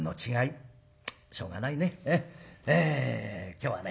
今日はね